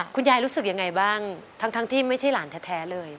คุณยายรู้สึกยังไงบ้างทั้งที่ไม่ใช่หลานแท้เลย